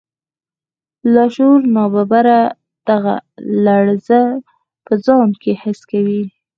لاشعور ناببره دغه لړزه په ځان کې حس کوي